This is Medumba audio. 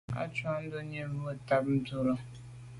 A tshùa ndonni nwù tat mba dum tà là.